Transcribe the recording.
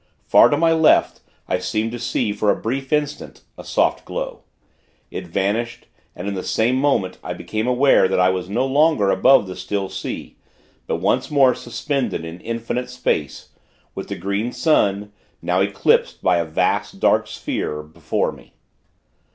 Far to my left, I seemed to see, for a brief instant, a soft glow. It vanished, and, in the same moment, I became aware that I was no longer above the still sea; but once more suspended in infinite space, with the Green Sun now eclipsed by a vast, dark sphere before me.